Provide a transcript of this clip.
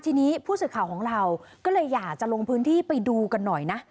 ทีนี้ผู้สื่อข่าวของเราก็เลยอยากจะลงพื้นที่ไปดูกันหน่อยนะ